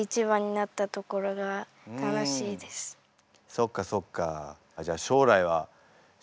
そっかそっか。